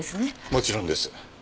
もちろんです。